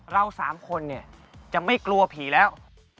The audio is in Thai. เรา๓คนจะไม่กลัวผีแล้ว